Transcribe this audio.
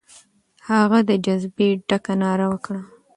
هغه د جذبې ډکه ناره وکړه.